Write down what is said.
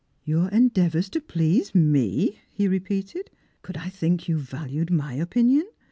" Your endeavours to please me !" he repeated. " Could I think yi)U valued my opinion?